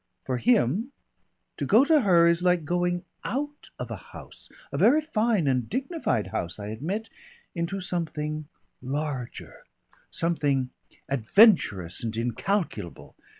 For him, to go to her is like going out of a house, a very fine and dignified house, I admit, into something larger, something adventurous and incalculable.